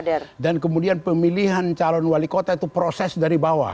ya jadi kader dan kemudian pemilihan calon wali kota itu itu sudah dikawal